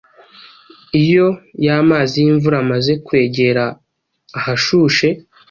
Iyo ya mazi y’imvura amaze kwegera ahashushe